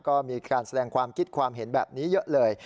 ก็มีการแสดงความคิดความเห็นแบบนี้เยอะเลย